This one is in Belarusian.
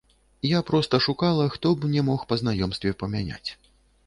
Я проста шукала, хто б мне мог па знаёмстве памяняць.